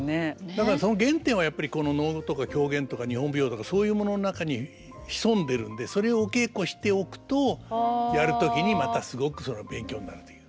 だからその原点はやっぱりこの能とか狂言とか日本舞踊とかそういうものの中に潜んでるんでそれお稽古しておくとやる時にまたすごく勉強になるという。